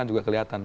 kan juga kelihatan